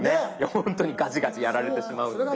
ほんとにガジガジやられてしまうので。